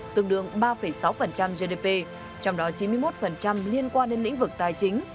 tương đương ba sáu gdp trong đó chín mươi một liên quan đến lĩnh vực tài chính